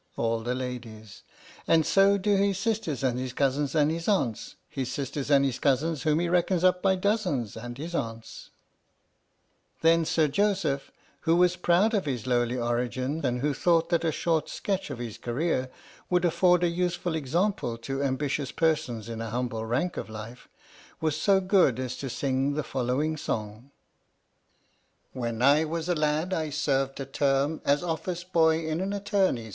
All the Ladies. And so do his sisters, and his cousins, and his aunts. His sisters and his cousins, Whom he reckons up by dozens, And his aunts ! Then Sir Joseph (who was proud of his lowly origin, and who thought that a short sketch of his career would afford a useful example to ambitious persons in a humble rank of life) was so good as to sing the following song: When I was a lad I served a term As office boy in an attorney's firm ; 40 i Sir J.